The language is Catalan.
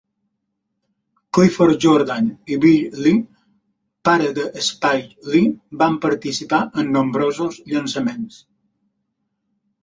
Clifford Jordan i Bill Lee, pare de Spike Lee, van participar en nombrosos llançaments.